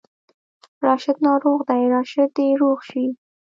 راشد ناروغ دی، راشد دې روغ شي